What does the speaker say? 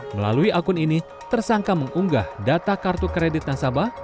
melalui akun ini tersangka mengunggah data kartu kredit nasabah